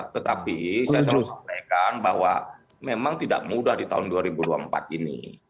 tetapi saya selalu sampaikan bahwa memang tidak mudah di tahun dua ribu dua puluh empat ini